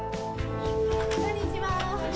こんにちは。